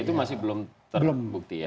itu masih belum terbukti ya